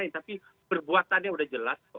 tapi perbuatannya sudah jelas